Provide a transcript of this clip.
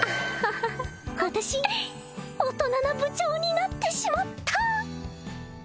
私大人な部長になってしまった！